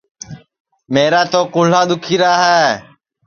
میرا تو کُہلا دُؔکھیرا ہے